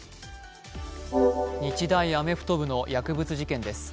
日大アメフト部の薬物事件です。